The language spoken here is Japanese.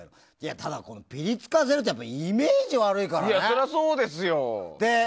ただ、ぴりつかせるってイメージが悪いからね。